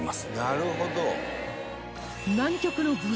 「なるほど」